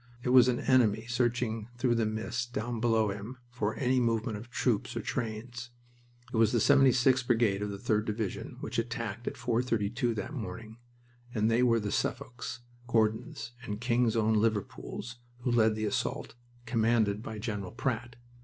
It was an enemy searching through the mist down below him for any movement of troops or trains. It was the 76th Brigade of the 3d Division which attacked at four thirty two that morning, and they were the Suffolks, Gordons, and King's Own Liverpools who led the assault, commanded by General Pratt.